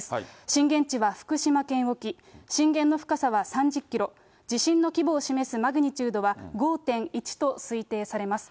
震源地は福島県沖、震源の深さは３０キロ、地震の規模を示すマグニチュードは５．１と推定されます。